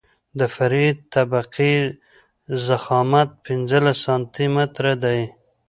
د فرعي طبقې ضخامت پنځلس سانتي متره دی